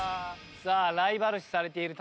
さあライバル視されている田仲君。